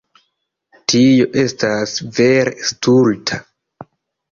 Tio estas vere stulta.